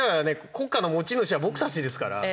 国家の持ち主は僕たちですから。